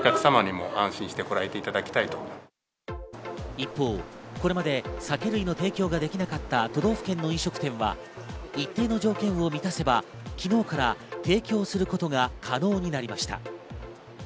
一方、これまで酒類の提供ができなかった都道府県の飲食店は、一定の条件を満たせば昨日から提供することが可能になりました。